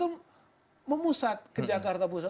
itu memusat ke jakarta pusat